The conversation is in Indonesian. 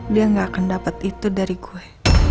dia gak akan dapat itu dari gue